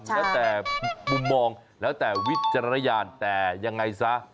แล้วแต่มุมมองแล้วแต่วิจารณญาณแต่ยังไงซะ